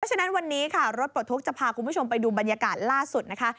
ฉะนั้นวันนี้ค่ะรถปลดทุกข์จะพาคุณผู้ชมไปดูบรรยากาศล่าสุดนะคะ